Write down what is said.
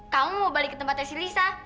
kamu mau balik ke tempatnya si lisa